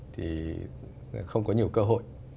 thì không có nhiều cơ hội